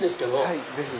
はいぜひ。